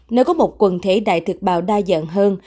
nơi có một quần thể đại thực bào đa dạng hơn